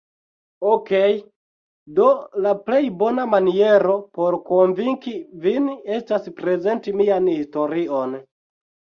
Okej do la plej bona maniero, por konvinki vin estas prezenti mian historion